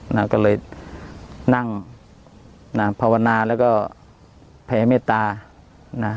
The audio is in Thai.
นะก็เลยนั่งนะภาวนาแล้วก็แผ่เมตตานะ